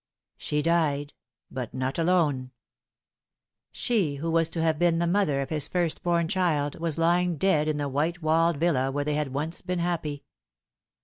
"She died, but not alone" She who was to have been the mother of his first born child was lying dead in the white walled villa where they had once been happy.